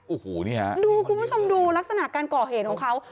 โอ้โหนี่ฮะดูคุณผู้ชมดูลักษณะการก่อเหตุของเขา